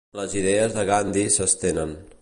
Les idees de Gandhi s'estenen.